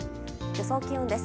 予想気温です。